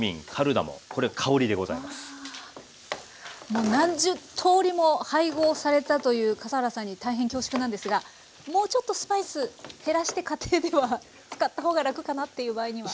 もう何十通りも配合されたという笠原さんに大変恐縮なんですがもうちょっとスパイス減らして家庭では使ったほうが楽かなっていう場合には？